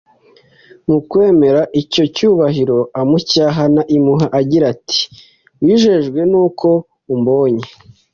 Mu kwemera icyo cyubahiro amucyahana impuhwe agira ati : «Wijejwe n'uko umbonye.